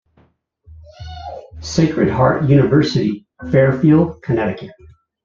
Sacred Heart University, Fairfield, Connecticut.